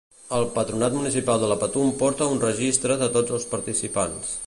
El Patronat Municipal de la Patum porta un registre de tots els participants.